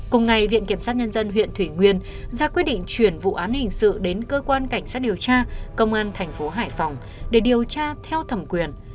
cùng ngày viện kiểm sát nhân dân huyện thủy nguyên ra quyết định chuyển vụ án hình sự đến cơ quan cảnh sát điều tra công an thành phố hải phòng để điều tra theo thẩm quyền